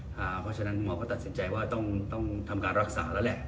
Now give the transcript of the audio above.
เพราะฉะนั้นหมอก็ตัดสินใจว่าต้องทำการรักษาแล้วแหละ